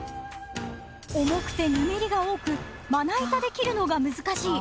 重くてぬめりが多くまな板で切るのが難しいあんこう。